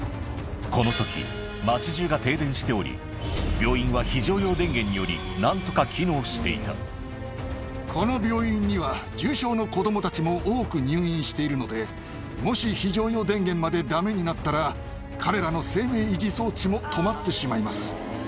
このとき、町じゅうが停電しており、病院は非常用電源によりなんとか機能しこの病院には、重症の子どもたちも多く入院しているので、もし非常用電源までだめになったら、彼らの生命維持装置も止まってしまいます。